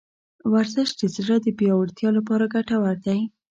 ورزش د زړه د پیاوړتیا لپاره ګټور دی.